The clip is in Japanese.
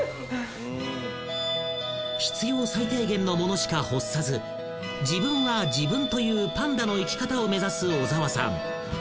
［必要最低限のものしか欲さず自分は自分というパンダの生き方を目指す小澤さん］